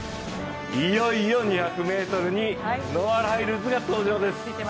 いよいよ２００ｍにノア・ライルズが登場です。